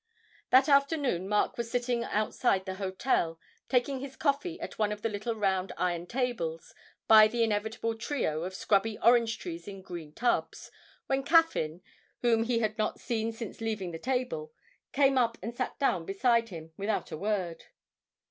That afternoon Mark was sitting outside the hotel, taking his coffee at one of the little round iron tables, by the inevitable trio of scrubby orange trees in green tubs, when Caffyn, whom he had not seen since leaving the table, came up and sat down beside him without a word.